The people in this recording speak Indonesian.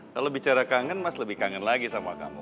kalau bicara kangen mas lebih kangen lagi sama kamu